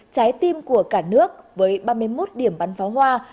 trái tim của cả nước với ba mươi một điểm bắn pháo hoa